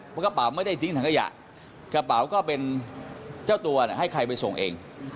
กระเป๋าไม่ได้จริงทำกระยะกระเป๋าก็เป็นเจ้าตัวให้ใครไปส่งเอง